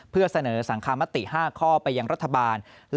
เพื่อเสนอสังคมติ๕ข้อไปยังรัฐบาล